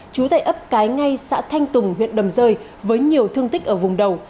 chú tại ấp cái ngay xã thanh tùng huyện đầm rơi với nhiều thương tích ở vùng đầu